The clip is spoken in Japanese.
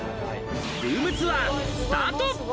ルームツアースタート。